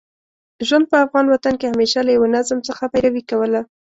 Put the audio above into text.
ژوند په افغان وطن کې همېشه له یوه نظم څخه پیروي کوله.